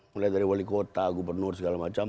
mulai dari wali kota gubernur segala macam